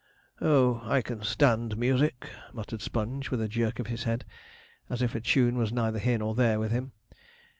'Oh, I can stand music,' muttered Sponge, with a jerk of his head, as if a tune was neither here nor there with him.